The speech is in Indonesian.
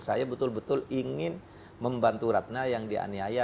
saya betul betul ingin membantu ratna yang dianiaya